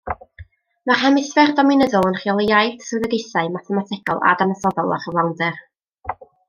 Mae'r hemisffer dominyddol yn rheoli iaith, swyddogaethau mathemategol a dadansoddol, a chyflawnder.